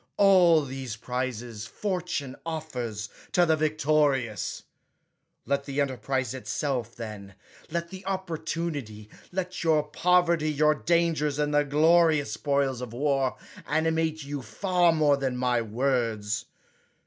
All these prizes fortune offers to the victorious. Let the enterprise itself, then, let the opportunity, let your poverty, your dangers, and the glorious spoils of war, animate you far more than my words.